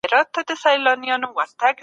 د بريښنا شتون په کورونو کي يوه اړتيا ده.